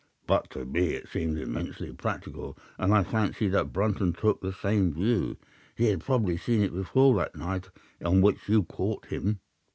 "'But to me it seems immensely practical, and I fancy that Brunton took the same view. He had probably seen it before that night on which you caught him.